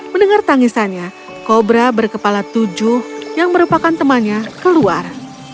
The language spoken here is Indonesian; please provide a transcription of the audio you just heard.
mendengar tangisannya kobra berkepala tujuh yang merupakan temannya keluar